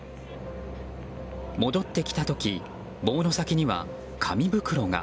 戻ってきた時、棒の先には紙袋が。